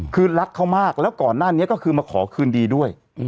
คือรักเขามากแล้วก่อนหน้านี้ก็คือมาขอคืนดีด้วย